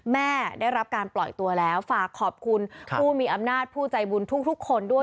ได้รับการปล่อยตัวแล้วฝากขอบคุณผู้มีอำนาจผู้ใจบุญทุกคนด้วย